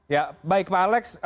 ya baik pak alex